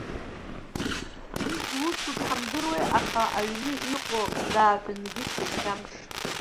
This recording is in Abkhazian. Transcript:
Уи зусу дҳамдыруеи, аха аҩны иҟоу дааҳәынгьы дсызхьамԥшит.